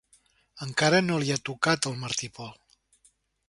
Encara que no li ha tocat el Martí i Pol.